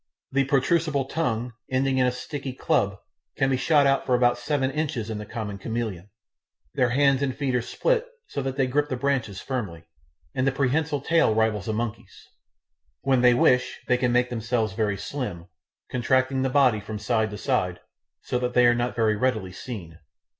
The protrusible tongue, ending in a sticky club, can be shot out for about seven inches in the common chameleon. Their hands and feet are split so that they grip the branches firmly, and the prehensile tail rivals a monkey's. When they wish they can make themselves very slim, contracting the body from side to side, so that they are not very readily seen.